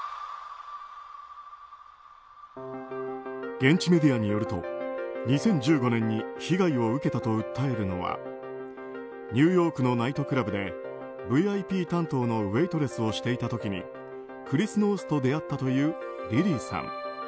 現地メディアによると２０１５年に被害を受けたと訴えるのはニューヨークのナイトクラブでＶＩＰ担当のウェートレスをしていた時にクリス・ノースと出会ったというリリーさん。